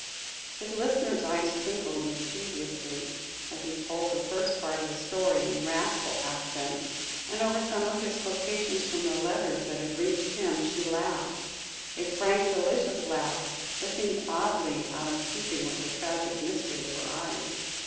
His listener's eyes twinkled mischievously as he told the first part of his story in wrathful accents, and over some of his quotations from the letters that had reached him she laughed a frank, delicious laugh that seemed oddly out of keeping with the tragic mystery of her eyes.